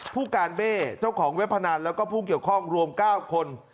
ผู้การเบ้เจ้าของเว็บพนันแล้วก็ผู้เกี่ยวข้องรวม๙คน